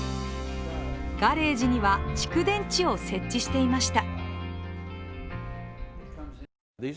ガレージには蓄電池を設置していました。